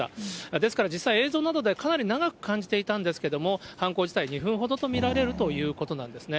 ですから実際、映像などでかなり長く感じていたんですけれども、犯行自体２分ほどと見られるということなんですね。